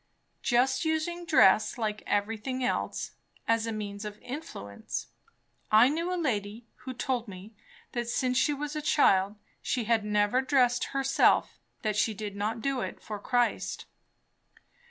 "Just using dress like everything else, as a means of influence. I knew a lady who told me that since she was a child, she had never dressed herself that she did not do it for Christ."